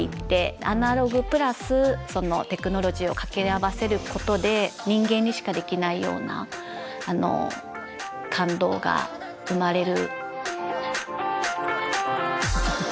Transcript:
アナログプラスそのテクノロジーを掛け合わせることで人間にしかできないような感動が生まれる。